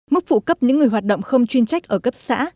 mức phụ cấp những người hoạt động không chuyên trách ở cấp xã